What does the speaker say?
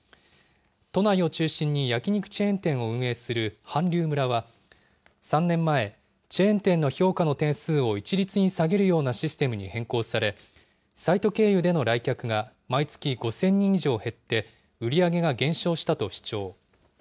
都内を中心に焼き肉チェーン店を運営する韓流村は、３年前、チェーン店の評価の点数を一律に下げるようなシステムに変更され、サイト経由での来客が毎月５０００人以上減って、売り上げが減少したと主張。